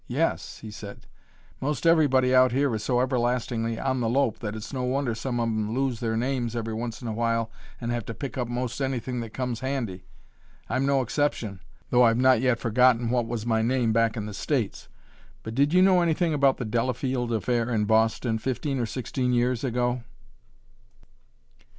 "Yes," he said; "'most everybody out here is so everlastingly on the lope that it's no wonder some of 'em lose their names every once in a while and have to pick up 'most anything that comes handy. I'm no exception, though I've not yet forgotten 'what was my name back in the States.' But did you know anything about the Delafield affair in Boston, fifteen or sixteen years ago?"